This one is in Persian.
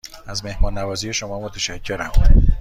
از مهمان نوازی شما متشکرم.